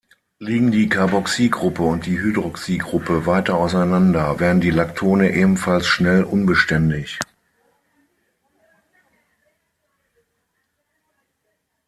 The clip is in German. Liegen die Carboxygruppe und die Hydroxygruppe weiter auseinander, werden die Lactone ebenfalls schnell unbeständig.